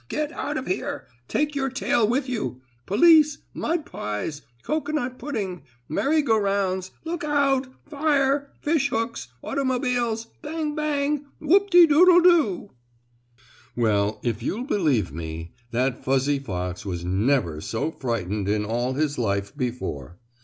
Get out of here! Take your tail with you! Police! Mud pies! Cocoanut pudding! Merry go rounds! Look out! Fire! Fish hooks! Automobiles! Bang bang! Whoop de doodle do!" Well, if you'll believe me, that fuzzy fox was never so frightened in all his life before.